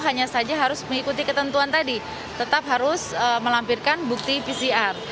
hanya saja harus mengikuti ketentuan tadi tetap harus melampirkan bukti pcr